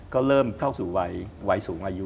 ก็เริ่มเข้าสู่วัยสูงอายุ